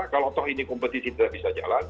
kalau toh ini kompetisi tidak bisa jalan